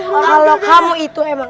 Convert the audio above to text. walau kamu itu emang